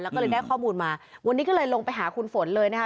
แล้วก็เลยได้ข้อมูลมาวันนี้ก็เลยลงไปหาคุณฝนเลยนะคะ